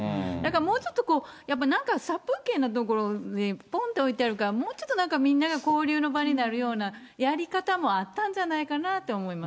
もうちょっとこう、なんか殺風景な所にぽんと置いてあるから、もうちょっとなんかみんなが交流の場になるような、やり方もあったんじゃないかなって思います。